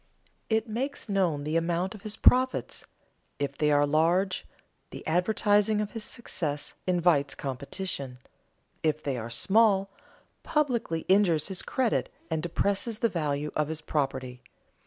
It makes known the amount of his profits; if they are large, the advertising of his success invites competition; if they are small, publicity injures his credit and depresses the value of his property.